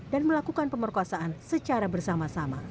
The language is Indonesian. dan melakukan pemerkosaan secara bersama